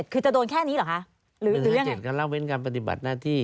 คือจะโดนแค่นี้เหรอฮะหรือหรือยังไง๑๕๗ก็เล่าเป็นการปฏิบัติหน้าที่